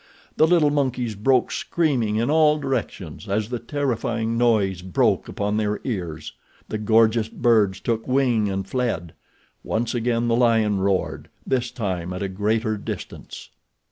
The little monkeys broke, screaming, in all directions as the terrifying noise broke upon their ears. The gorgeous birds took wing and fled. Once again the lion roared, this time at a greater distance.